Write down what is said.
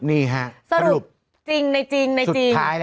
นี่ฮะสรุปสุดท้ายแล้วจริงในจริง